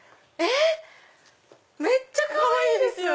めっちゃかわいいです！